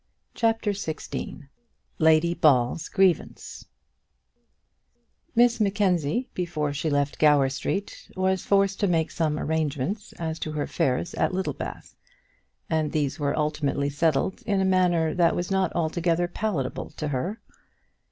CHAPTER XVI Lady Ball's Grievance Miss Mackenzie, before she left Gower Street, was forced to make some arrangements as to her affairs at Littlebath, and these were ultimately settled in a manner that was not altogether palatable to her.